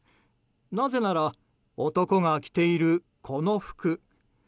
なぜなら、男が着ているこの服。